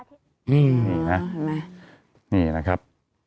นี่นะนี่นะครับ